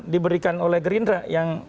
diberikan oleh gerindra yang